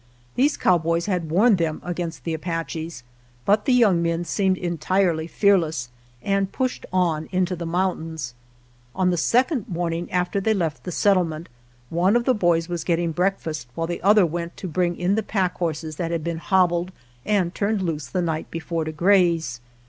These cowboys had warned them against the Apaches, but the young men seemed entirely fearless, and pushed on into the mountains. On the second morning after they left the settle 91 GERONIMO ment, one of the boys was getting breakfast while the other went to bring in the pack horses that had been hobbled and turned loose the night before to graze.